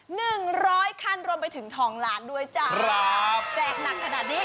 หนึ่งร้อยคันรวมไปถึงทองล้านด้วยจ้ะครับแจกหนักขนาดนี้